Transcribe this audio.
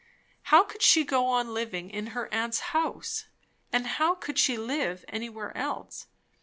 How could she go on living in her aunt's house? and how could she live anywhere else?